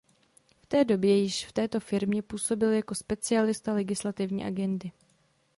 V té době již v této firmě působil jako specialista legislativní agendy.